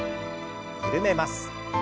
緩めます。